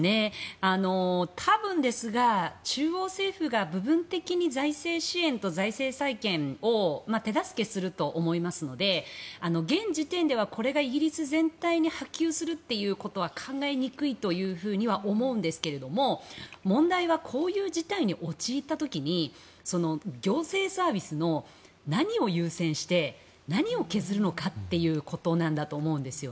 多分ですが中央政府が部分的に財政支援と財政再建を手助けすると思いますので現時点ではこれがイギリス全体に波及するということは考えにくいというふうには思うんですが問題はこういう事態に陥った時に行政サービスの何を優先して何を削るのかということなんだと思うんです。